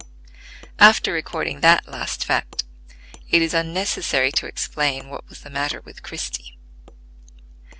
After recording that last fact, it is unnecessary to explain what was the matter with Christie.